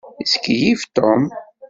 Yettkeyyif Tom.